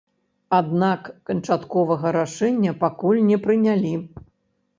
Аднак канчатковага рашэння пакуль не прынялі.